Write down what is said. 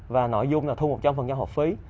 và nội dung là thu một trăm linh học phí